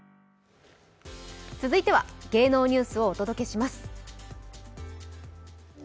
続いては、芸能ニュースをお届けします。